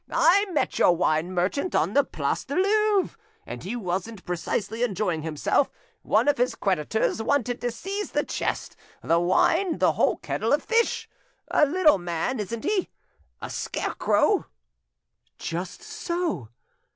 I met your wine merchant on the Place du Louvre, and he wasn't precisely enjoying himself: one of his creditors wanted to seize the chest, the wine, the whole kettle of fish! A little man, isn't he?—a scarecrow?" "Just SO."